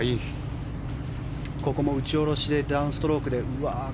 ここも打ち下ろしでダウンストロークで。